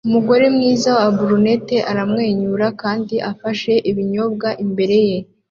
Umugore mwiza wa brunette aramwenyura kandi afashe ibinyobwa imbere ye